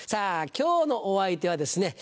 今日のお相手はですね